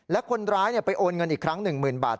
และคนร้ายไปโอนเงินอีกครั้ง๑๐๐๐บาท